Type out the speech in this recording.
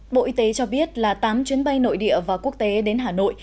bộ y tế cho biết là tám chuyến bay nội địa và quốc tế đến hà nội